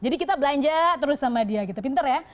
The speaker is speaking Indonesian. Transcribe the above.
jadi kita belanja terus sama dia pinter ya